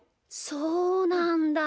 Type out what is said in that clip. そうなんだ。